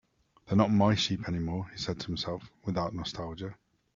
"They're not my sheep anymore," he said to himself, without nostalgia.